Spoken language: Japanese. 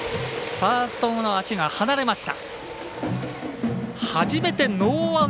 ファーストの足が離れました。